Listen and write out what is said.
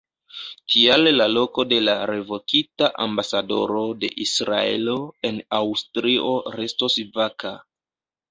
Tial la loko de la revokita ambasadoro de Israelo en Aŭstrio restos vaka.